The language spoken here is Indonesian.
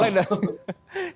silahkan baik yang mana dulu